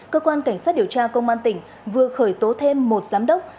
cơ quan cảnh sát điều tra công an tỉnh vừa khởi tố thêm một giám đốc